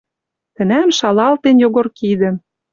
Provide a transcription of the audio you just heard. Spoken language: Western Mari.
Тӹнӓм шалалтен Йогор кидӹм.